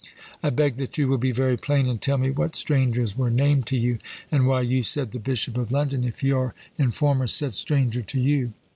I beg that you will be very plain, and tell me what strangers were named to you; and why you said the Bishop of London, if your informer said stranger to you.